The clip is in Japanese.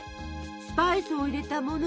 スパイスを入れたもの